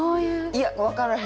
いや分からへん。